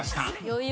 余裕。